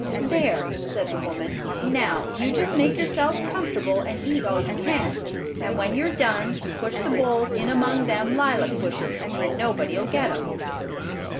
"There," said the woman, "now, you just make yourselves comfortable, and eat all you can; and when you're done, you push the bowls in among them lilac bushes, and nobody'll get 'em."